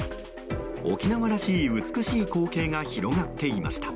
沖縄らしい美しい光景が広がっていました。